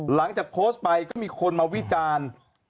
หลังจากโพสต์ไปก็มีคนมาวิจารณ์